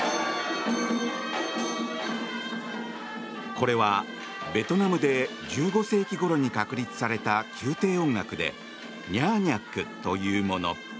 これはベトナムで１５世紀ごろに確立された宮廷音楽でニャーニャックというもの。